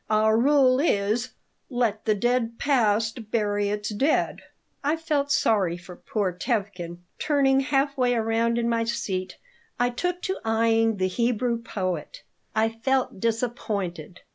Our rule is, 'Let the dead past bury it's dead.'" I felt sorry for poor Tevkin. Turning half way around in my seat, I took to eying the Hebrew poet. I felt disappointed.